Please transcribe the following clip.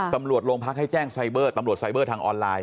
ตำรวจโรงพักให้แจ้งไซเบอร์ตำรวจไซเบอร์ทางออนไลน์